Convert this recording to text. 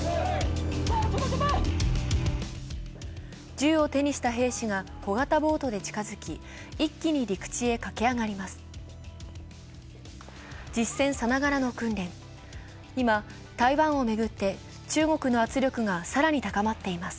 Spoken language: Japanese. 銃を手にした兵士が小型ボートで近づき一気に陸地へ駆け上がります。